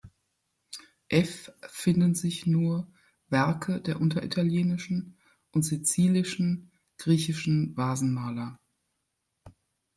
F" finden sich nur Werke der unteritalischen und sizilischen griechischen Vasenmaler.